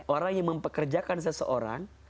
orang yang mempekerjakan seseorang